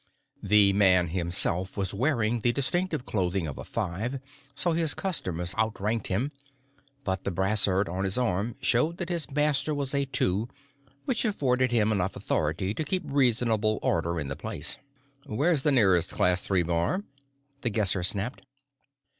The man himself was wearing the distinctive clothing of a Five, so his customers outranked him, but the brassard on his arm showed that his master was a Two, which afforded him enough authority to keep reasonable order in the place. "Where's the nearest Class Three bar?" The Guesser snapped.